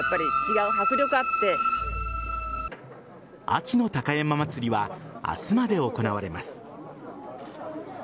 秋の高山祭は明日まで行われます。